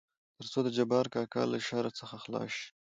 تر څو دجبار کاکا له شر څخه خلاص شي.